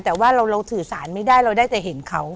แต่ว่าเราสื่อสารไม่ได้เราได้แต่เห็นเขา